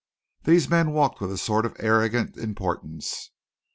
These men walked with a sort of arrogant importance.